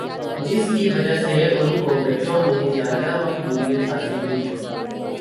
جس کی وجہ سے ان کو بچوں میں زیادہ مقبولیت حاصل ہوئی